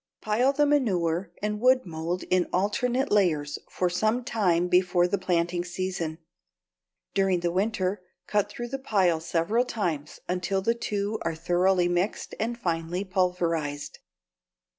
Pile the manure and wood mold in alternate layers for some time before the planting season. During the winter cut through the pile several times until the two are thoroughly mixed and finely pulverized.